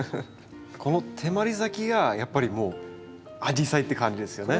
この手まり咲きがやっぱりもうアジサイって感じですよね。